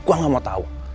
gue gak mau tau